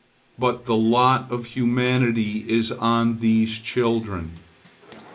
But the lot of humanity is on these children.